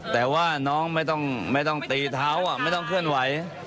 แต่ว่าน้องไม่ต้องตีเท้าไม่ต้องเคลื่อนไหว